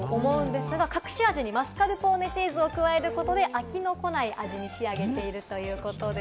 クリームに酸味があるかと思うんですが、隠し味にマスカルポーネチーズを加えることで飽きのこない味に仕上げているということです。